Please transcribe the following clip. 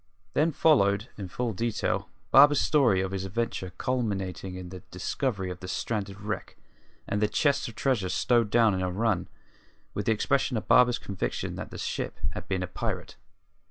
Then followed, in full detail, Barber's story of his adventure culminating in the discovery of the stranded wreck and the chests of treasure stowed down in her run, with the expression of Barber's conviction that the ship had been a pirate.